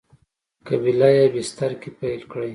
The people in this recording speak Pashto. قبیله یي بستر کې پیل کړی.